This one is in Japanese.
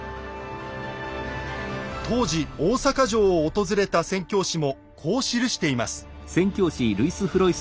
当時大坂城を訪れた宣教師もこう記しています。